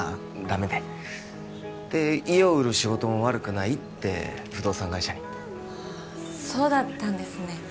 ダメでで家を売る仕事も悪くないって不動産会社にああそうだったんですね